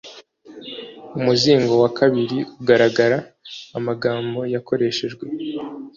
umuzingo wa kabiri ugaragara amagambo yakoreshejwe